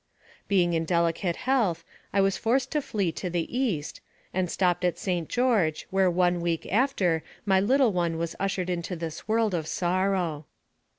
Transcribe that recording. Being in delicate health, I was forced to flee to the East, and stopped at St. George, where one week after my little one was ushered into this world of sorrow.